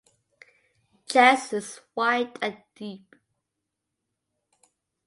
Chest is wide and deep.